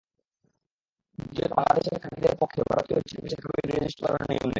দ্বিতীয়ত, বাংলাদেশের কাজিদের পক্ষে ভারতীয় ছিটবাসীর কাবিন রেজিস্ট্রি করার নিয়ম নেই।